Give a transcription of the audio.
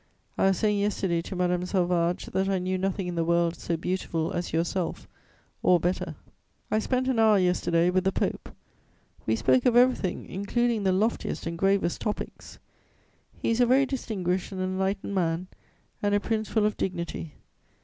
I was saying yesterday to Madame Salvage that I knew nothing in the world so beautiful as yourself or better. [Sidenote: An hour with Leo XII.] "I spent an hour yesterday with the Pope. We spoke of everything, including the loftiest and gravest topics. He is a very distinguished and enlightened man and a Prince full of dignity.